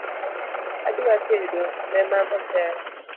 Adwa tedo ne mama chai